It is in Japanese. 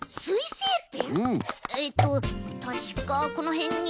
えっとたしかこのへんに。